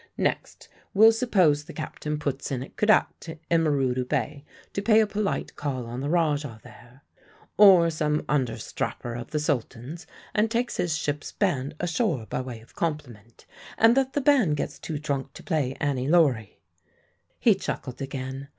Next we'll suppose the captain puts in at Kudat, in Marudu Bay, to pay a polite call on the Rajah there or some understrapper of the Sultan's, and takes his ship's band ashore by way of compliment, and that the band gets too drunk to play 'Annie Laurie.'" He chuckled again.